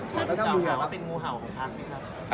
กลัวถูกเกาหาว่าเป็นงูเห่าของภักดิ์ไหมครับ